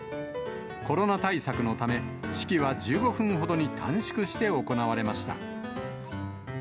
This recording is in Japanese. コロナ対策のため、式は１５分ほどに短縮して行われました。